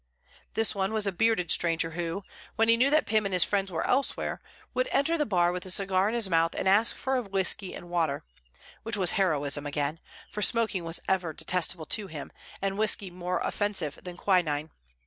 This one was a bearded stranger who, when he knew that Pym and his friends were elsewhere, would enter the bar with a cigar in his mouth, and ask for a whisky and water, which was heroism again, for smoking was ever detestable to him, and whisky more offensive than quinine.